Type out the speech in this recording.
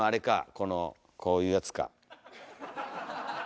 このこういうやつか。